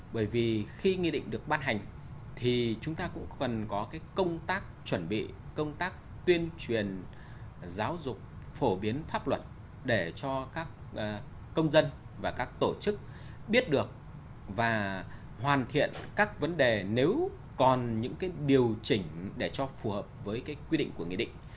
bởi vì khi nghị định được bắt hành thì chúng ta cũng cần có công tác chuẩn bị công tác tuyên truyền giáo dục phổ biến pháp luật để cho các công dân và các tổ chức biết được và hoàn thiện các vấn đề nếu còn những điều chỉnh để cho phù hợp với quy định của nghị định